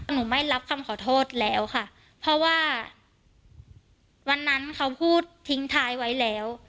ไม่รับคำขอโทษแล้วค่ะเพราะว่าวันนั้นเขาพูดทิ้งท้ายไว้แล้ว